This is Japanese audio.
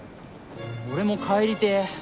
俺も帰りてえ。